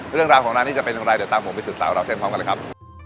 เรื่องราวของร้านนี้จะเป็นอย่างไรเดี๋ยวตามผมไปสืบสาวราวเส้นพร้อมกันเลยครับ